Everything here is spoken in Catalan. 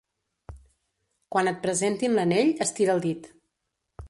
Quan et presentin l'anell estira el dit.